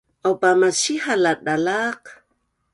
Aupa masihal a dalaq